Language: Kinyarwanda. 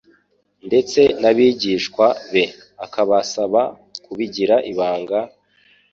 ndetse n'abigishwa be akabasaba kubigira ibanga,